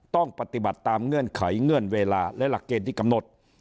ต้องปฏิบัติตามเงื่อนไขเงื่อนเวลาและหลักเกณฑ์ที่กำหนด